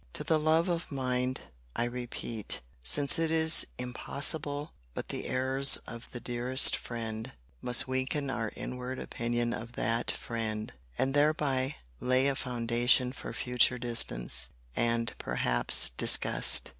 To the love of mind, I repeat; since it is impossible but the errors of the dearest friend must weaken our inward opinion of that friend; and thereby lay a foundation for future distance, and perhaps disgust.